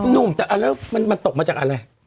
นุ่มแต่อันแรกมันตกมาจากอะไร